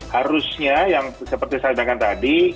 harusnya yang seperti saya bilang tadi